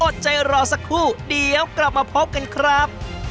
อดใจรอสักครู่เดี๋ยวกลับมาพบกันครับ